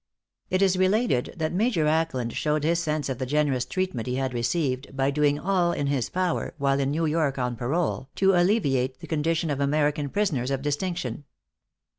It is related that Major Ackland showed his sense of the generous treatment he had received, by doing all in his power, while in New York on parole, to alleviate the condition of American prisoners of distinction.